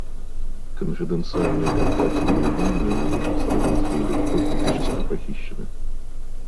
Конфиденциальные корпоративные данные могут быть сравнительно легко физически похищены